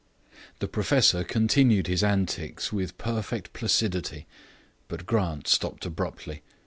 The professor continued his antics with perfect placidity, but Grant stopped abruptly.